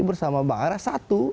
bersama bang ara satu